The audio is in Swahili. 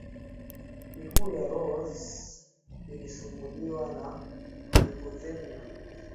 miguu ya rose ilisumbuliwa na hypothermia